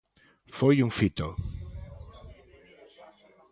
Foi un fito.